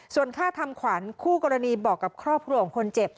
ส่วนค่าทำขวัญคู่กรณีบอกกับครอบครัวของคนเจ็บ